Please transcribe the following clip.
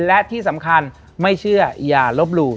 และที่สำคัญไม่เชื่ออย่าลบหลู่